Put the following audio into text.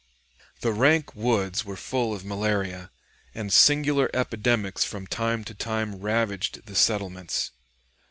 The rank woods were full of malaria, and singular epidemics from time to time ravaged the settlements.